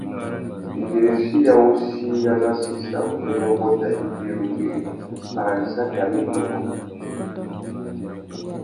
Ibirichi ya wuchi ya massissa utênê ôbôt nà ibi râ undiri ; arandissaki amê i tôngômú.